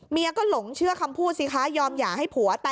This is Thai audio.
ก็หลงเชื่อคำพูดสิคะยอมหย่าให้ผัว